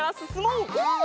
うん！